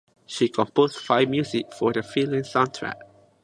She composed five songs for the film’s soundtrack.